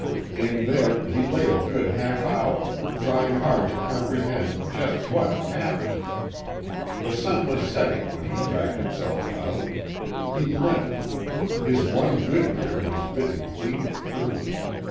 In there he lay a good half hour, trying hard to comprehend just what had happened. The sun was setting when he dragged himself out. He limped. His one good ear was bitten clean through.